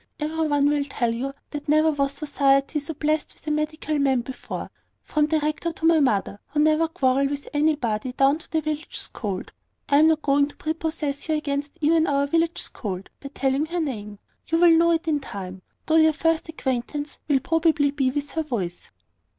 Every one will tell you that never was society so blessed in a medical man before; from the rector and my mother, who never quarrel with anybody, down to the village scold. I am not going to prepossess you against even our village scold, by telling her name. You will know it in time, though your first acquaintance will probably be with her voice."